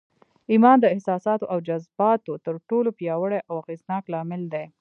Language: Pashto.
ايمان د احساساتو او جذباتو تر ټولو پياوړی او اغېزناک لامل دی.